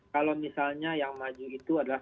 kalau misalnya yang maju itu adalah